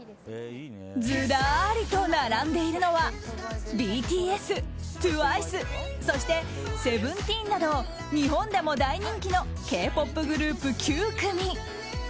ずらりと並んでいるのはＢＴＳ、ＴＷＩＣＥそしてＳＥＶＥＮＴＥＥＮなど日本でも大人気のＫ‐ＰＯＰグループ９組。